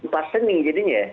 pas seni jadinya ya